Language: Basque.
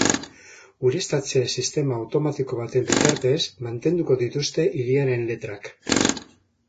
Ureztatze sistema automatiko baten bitartez mantenduko dituzte hiriaren letrak.